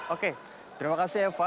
oke terima kasih eva